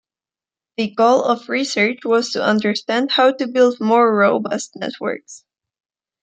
The goal of research was to understand how to build more robust networks.